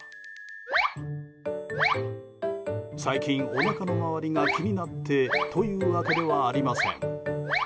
最近、おなかの周りが気になってというわけではありません。